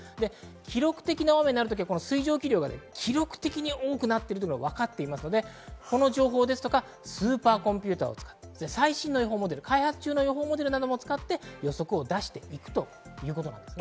記録的な大雨になるときは、水蒸気量が記録的に多くなっているのがわかっていますので、この情報とかスーパーコンピュータを使う、最新の予報モデルなども使って予測などを出していきます。